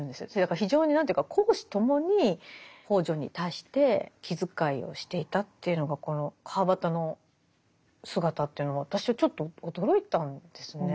非常に何ていうか公私ともに北條に対して気遣いをしていたというのがこの川端の姿というのは私はちょっと驚いたんですね。